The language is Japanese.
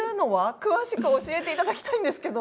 詳しく教えていただきたいんですけど。